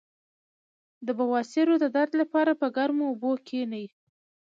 د بواسیر د درد لپاره په ګرمو اوبو کینئ